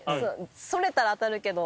それたら当たるけど。